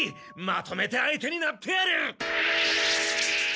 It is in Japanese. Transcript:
まとめて相手になってやる！